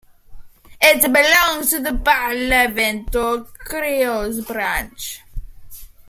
It belongs to the Barlavento Creoles branch.